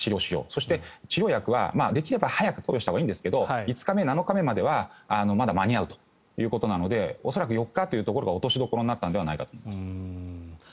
そして治療薬はできれば早く投与したほうがいいんですが５日目、７日目まではまだ間に合うということなので恐らく４日というところが落としどころになったのではと。